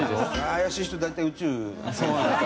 怪しい人大体宇宙。